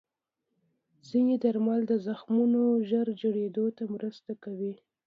ځینې درمل د زخمونو ژر جوړېدو ته مرسته کوي.